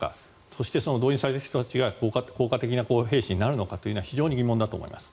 そして動員される人たちが効果的な兵士になるのかは非常に疑問だと思います。